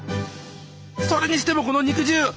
それにしてもこの肉汁。